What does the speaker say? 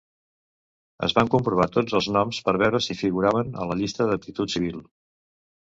Es van comprovar tots els noms per veure si figuraven a la llista d'aptitud civil.